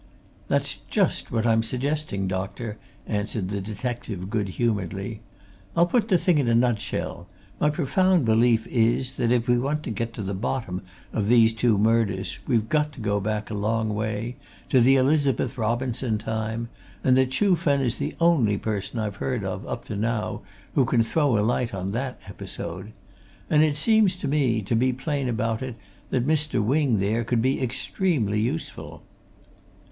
"That's just what I'm suggesting, doctor," answered the detective, good humouredly. "I'll put the thing in a nutshell my profound belief is that if we want to get at the bottom of these two murders we've got to go back a long way, to the Elizabeth Robinson time, and that Chuh Fen is the only person I've heard of, up to now, who can throw a light on that episode. And it seems to me, to be plain about it, that Mr. Wing there could be extremely useful."